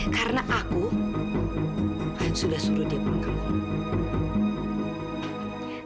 karena aku sudah suruh dia pulang kampung